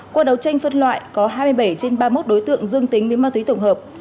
qua đấu tranh phân loại có hai mươi bảy trên ba mươi một đối tượng dương tính với ma túy tổng hợp